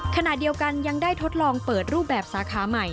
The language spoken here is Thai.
ขณะเดียวกันยังได้ทดลองเปิดรูปแบบสาขาใหม่